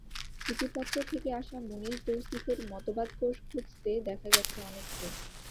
সূচীপত্র থেকে আসা মুনীর তৌসিফের মতবাদ কোষ খুঁজতে দেখা গেছে অনেককে।